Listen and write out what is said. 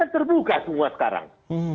terbuka semua sekarang